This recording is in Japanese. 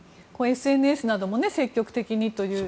ＳＮＳなども積極的にという。